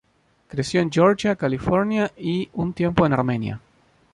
Creció en Georgia, California y un tiempo en Armenia.